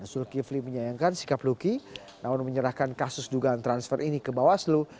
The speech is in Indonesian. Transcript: zulkifli menyayangkan sikap luki namun menyerahkan kasus dugaan transfer ini ke bawaslu